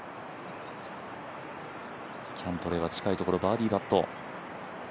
キャントレーは近いところバーディーパット。